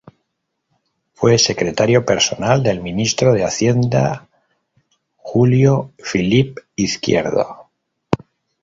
Fue secretario personal del Ministro de Hacienda, Julio Philippi Izquierdo.